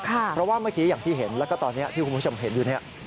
เพราะว่าเมื่อกี้อย่างที่เห็นแล้วก็ตอนนี้ที่คุณผู้ชมเห็นอยู่เนี่ย